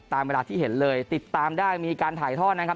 ตามเวลาที่เห็นเลยติดตามได้มีการถ่ายทอดนะครับ